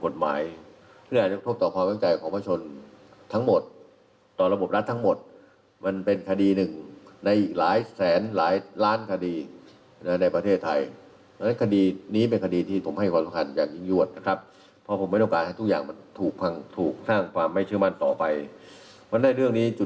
และโอเคกับหลายเรื่องที่ยังไม่ชัดเจน